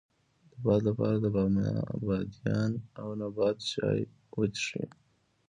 د باد لپاره د بادیان او نبات چای وڅښئ